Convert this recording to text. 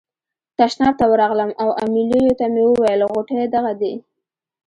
تشناب ته ورغلم او امیلیو ته مې وویل غوټې دغه دي.